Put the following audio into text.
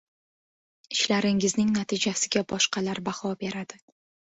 Ishlaringizning natijasiga boshqalar baho beradi